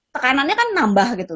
tekanannya kan nambah gitu